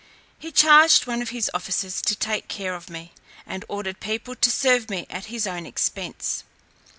He charged one of his officers to take care of me, and ordered people to serve me at his own expence.